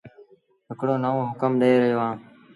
هڪڙو نئونٚ هُڪم ڏي رهيو اهآنٚ